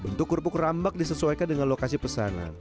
bentuk kerupuk rambak disesuaikan dengan lokasi pesanan